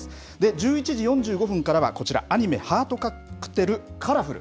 １１時４５分からは、こちら、アニメ、ハートカクテルカラフル。